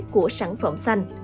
của sản phẩm xanh